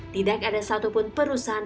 tidak ada satupun perusahaan